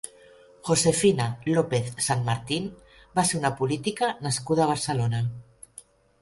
Josefina López Sanmartín va ser una política nascuda a Barcelona.